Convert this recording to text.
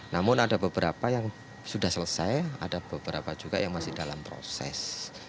namun ada beberapa yang sudah selesai ada beberapa juga yang masih dalam proses